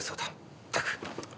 ったく。